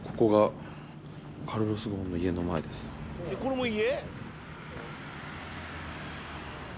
これも家？